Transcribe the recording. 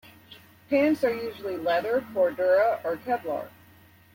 Pants are usually leather, cordura, or Kevlar.